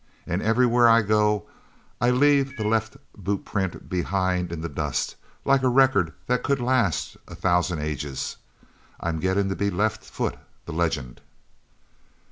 And everywhere I go, I leave that left boot print behind in the dust, like a record that could last a thousand ages. I'm getting to be Left Foot, the legend."